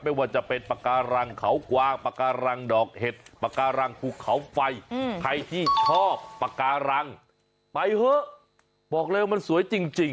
ไม่ว่าจะเป็นปากการังเขากวางปากการังดอกเห็ดปากการังภูเขาไฟใครที่ชอบปากการังไปเถอะบอกเลยว่ามันสวยจริง